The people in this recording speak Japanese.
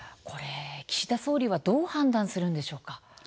岸田総理はどう判断するんでしょうか。